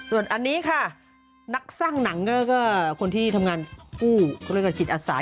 ส่วนอันนี้ค่ะนักสร้างหนังก็คนที่ทำงานกู้เขาเรียกว่าจิตอาสา